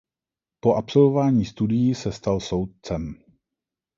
Po absolvování studií se stal soudcem.